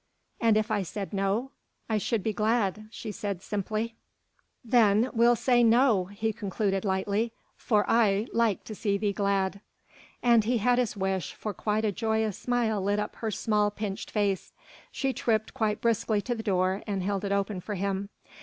"And if I said 'no'?" "I should be glad," she said simply. "Then we'll say 'no!'" he concluded lightly, "for I would like to see thee glad." And he had his wish, for quite a joyous smile lit up her small, pinched face. She tripped quite briskly to the door and held it open for him.